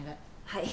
はい。